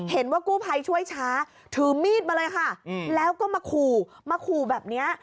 เห็นว่ากู้ภัยช่วยช้าถือมีดมาเลยค่ะแล้วก็มาขู่มาขู่แบบนี้